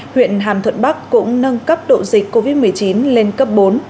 huyện hàm thuận bắc cũng nâng cấp độ dịch covid một mươi chín lên cấp bốn